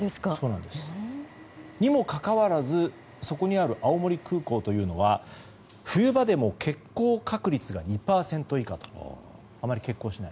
にもかかわらずそこにある青森空港というのは冬場でも欠航確率が２％以下とあまり欠航しない。